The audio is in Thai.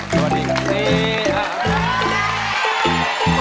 สวัสดีครับ